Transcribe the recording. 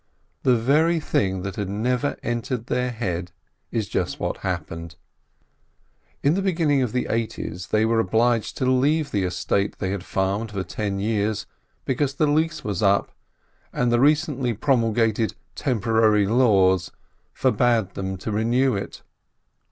The very thing that had never entered their head is just what happened. In the beginning of the "eighties" they were obliged to leave the estate they had farmed for ten years, because the lease was up, and the recently promulgated "tempo rary laws" forbade them to renew it.